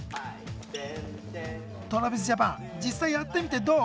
ＴｒａｖｉｓＪａｐａｎ実際やってみてどう？